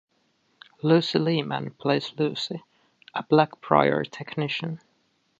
Lucy Liemann plays Lucy, a Blackbriar technician.